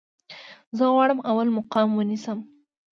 زه غواړم اول مقام ونیسم